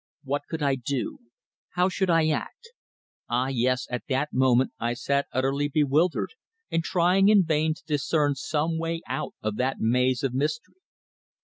What could I do? How should I act? Ah! yes, at that moment I sat utterly bewildered, and trying in vain to discern some way out of that maze of mystery.